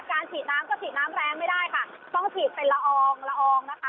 ฉีดน้ำก็ฉีดน้ำแรงไม่ได้ค่ะต้องฉีดเป็นละอองละอองนะคะ